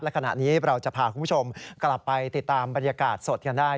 และขณะนี้เราจะพาคุณผู้ชมกลับไปติดตามบรรยากาศสดกันได้